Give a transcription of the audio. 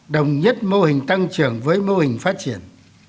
đồng nhất mô hình tăng trưởng với mô hình phát triển